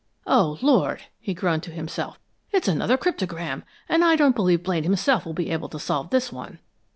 "Oh, Lord!" he groaned to himself. "It's another cryptogram, and I don't believe Blaine himself will be able to solve this one!"